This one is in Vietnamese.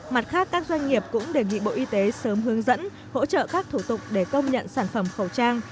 mặt khác các doanh nghiệp cũng đề nghị bộ y tế sớm hướng dẫn hỗ trợ các thủ tục để công nhận sản phẩm khẩu trang